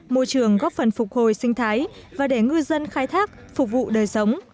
môi trường góp phần phục hồi sinh thái và để ngư dân khai thác phục vụ đời sống